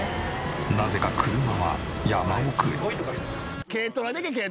なぜか車は山奥へ。